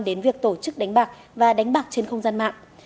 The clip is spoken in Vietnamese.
đến việc tổ chức đánh bạc và đánh bạc trên không gian mạng